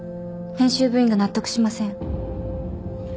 編集部員が納得しません。